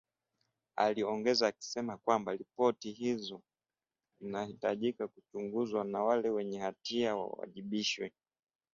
aliongeza akisema kwamba ripoti hizo zinahitaji kuchunguzwa na wale wenye hatia wawajibishwe